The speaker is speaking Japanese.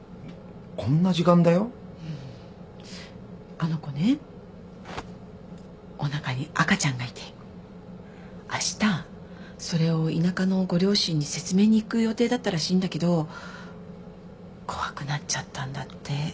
あの子ねおなかに赤ちゃんがいてあしたそれを田舎のご両親に説明に行く予定だったらしいんだけど怖くなっちゃったんだって。